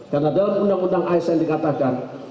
karena dalam undang undang asn dikatakan